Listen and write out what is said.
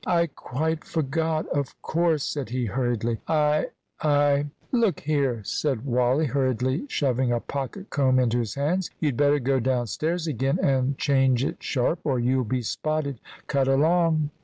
"I quite forgot of course," said he hurriedly; "I I " "Look here," said Wally, hurriedly shoving a pocket comb into his hands; "you'd better go downstairs again and change it sharp, or you'll be spotted. Cut along."